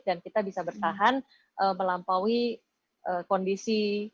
dan kita bisa bertahan melampaui kondisi